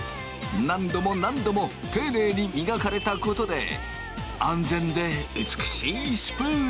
何度も何度も丁寧に磨かれたことで安全で美しいスプーンになった！